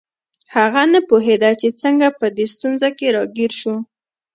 هغه نه پوهیده چې څنګه په دې ستونزه کې راګیر شو